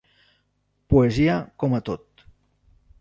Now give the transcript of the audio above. Poesia com a tot.